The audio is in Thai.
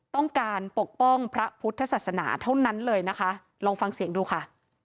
ต้องการปกป้องพระพุทธศาสนาเท่านั้นเลยนะคะลองฟังเสียงดูค่ะ